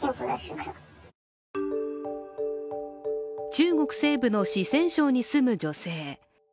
中国西部の四川省に住む女性。